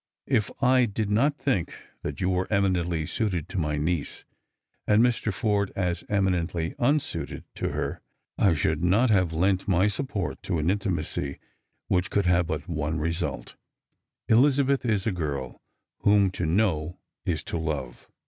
If I did not think that you were emi nently suited to my niece, and Mr. Forde as eminently unsuited to her, I should not have lent my support to an intimacy which could have but one result. Elizabeth is a girl whom to know is to love."